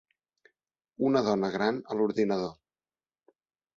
Una dona gran a l'ordinador